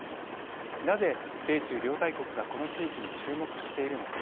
なぜ米中両大国がこの地域に注目しているのか